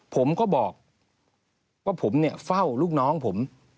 ผมก็บอกว่าผมเนี่ยเฝ้าลูกน้องผม